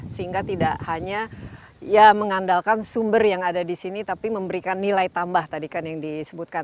sehingga tidak hanya ya mengandalkan sumber yang ada di sini tapi memberikan nilai tambah tadi kan yang disebutkan